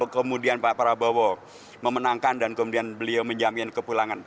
kemudian pak prabowo memenangkan dan kemudian beliau menjamin kepulangan